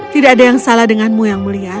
tidak ada yang salah denganmu yang mulia